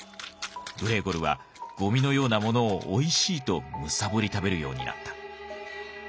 グレーゴルはゴミのようなものをおいしいと貪り食べるようになった。